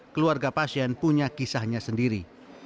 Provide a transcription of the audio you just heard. keluarga pasien punya kisahnya sendiri